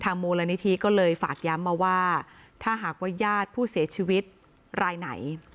มูลนิธิก็เลยฝากย้ำมาว่าถ้าหากว่าญาติผู้เสียชีวิตรายไหน